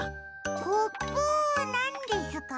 コプなんですか？